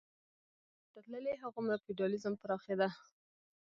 څومره چې ختیځ لور ته تللې هغومره فیوډالېزم پراخېده.